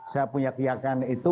saya punya keyakan itu